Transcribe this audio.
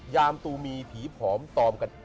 ยามตูมีผีผอมตอมกัน